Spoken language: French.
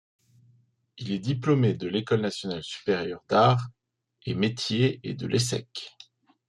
Il est diplômé de l'École nationale supérieure d'arts et métiers et de l'Essec.